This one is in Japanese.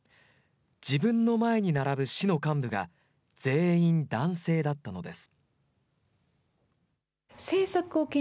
自分の前に並ぶ市の幹部が全員、男性だったのです。